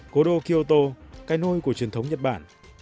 cố đô kyoto cây nôi của truyền thống nhật bản